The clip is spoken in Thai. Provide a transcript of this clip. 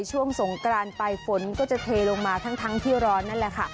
ช่วงสงกรานไปฝนก็จะเทลงมาทั้งที่ร้อนนั่นแหละค่ะ